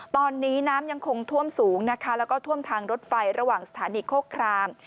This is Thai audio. ตอนนี้น้ำยังคงท่วมสูงนะคะแล้วก็ท่วมทางรถไฟระหว่างสถานีโคกคราม